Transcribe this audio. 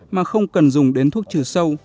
mà không cần dùng đến thuốc trừ sâu